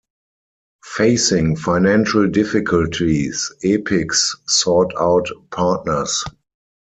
Facing financial difficulties, Epyx sought out partners.